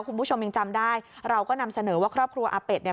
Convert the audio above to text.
คุณผู้ชมยังจำได้เราก็นำเสนอว่าครอบครัวอาเป็ดเนี่ย